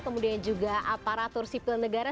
kemudian juga aparatur sipil negara